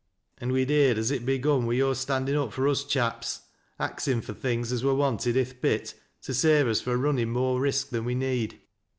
An' we'n Iieerd as it begun wi' yo're standin' up fur us chaps — axin fur things as wur wanted i' th' pit to save us fro' runnin' more risk than we need.